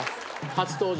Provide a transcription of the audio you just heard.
初登場